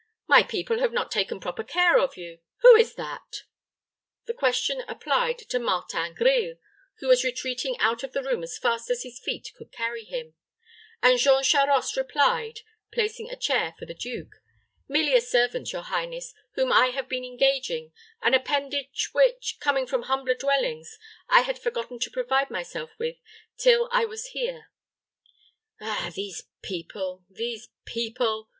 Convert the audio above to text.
My people have not taken proper care of you. Who is that?" The question applied to Martin Grille, who was retreating out of the room as fast as his feet could carry him; and Jean Charost replied, placing a chair for the duke, "Merely a servant, your highness, whom I have been engaging an appendage which, coming from humbler dwellings, I had forgotten to provide myself with till I was here." "Ah! these people these people!"